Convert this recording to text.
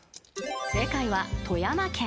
［正解は富山県］